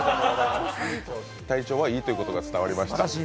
体調はいいということが伝わりました。